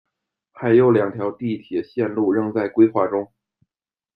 还有两条地铁线路仍在规划中。